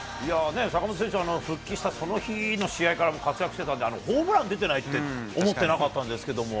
坂本選手、復帰したその日の試合から、活躍してたんで、ホームラン出てないって思ってなかったんですけども。